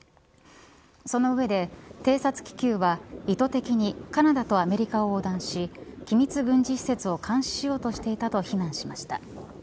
その上で偵察気球は意図的にカナダとアメリカを横断し機密軍事施設を監視しようとしていたと非難しました。